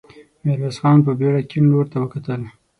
ميرويس خان په بېړه کيڼ لور ته وکتل.